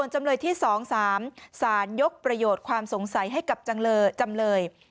จำเลยที่๒๓สารยกประโยชน์ความสงสัยให้กับจำเลย